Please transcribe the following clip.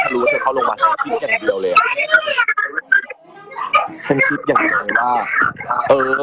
ดูว่าเธอเขาลงไป